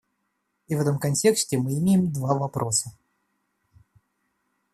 И в этом контексте мы имеем два вопроса.